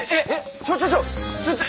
ちょちょちょちょっと！